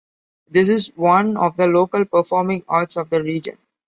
This is one of the local performing arts of the region.